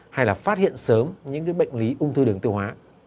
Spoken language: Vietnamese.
hay là phát hiện sớm những bệnh lý ung thư đường tiêu hóa